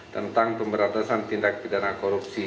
tentang pemberantasan tindak pidana korupsi